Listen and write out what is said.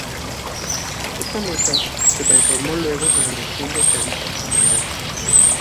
Esta Mesa se transformó luego en la Dirección de Estadística General.